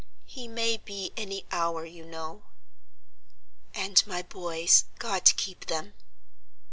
He may be any hour, you know." "And my boys, God keep them!"